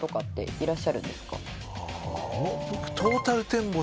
僕。